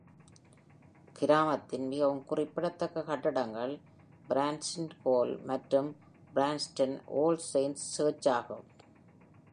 கிராமத்தின் மிகவும் குறிப்பிடத்தக்க கட்டிடங்கள் Branston Hall மற்றும் Branston All Saints' Church ஆகும்.